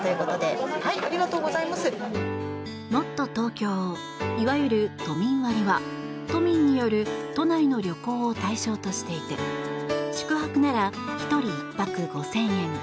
もっとＴｏｋｙｏいわゆる都民割は都民による都内の旅行を対象としていて宿泊なら１人１泊５０００円